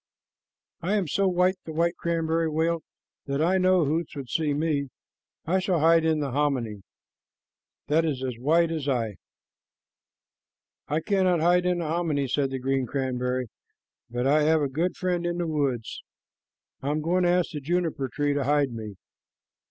"I am so white," the white cranberry wailed, "that I know Hoots would see me. I shall hide in the hominy. That is as white as I." "I cannot hide in the hominy," said the green cranberry, "but I have a good friend in the woods. I am going to ask the juniper tree to hide me.